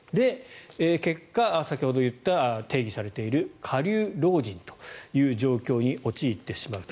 結果、先ほど言った定義されている下流老人という状況に陥ってしまうと。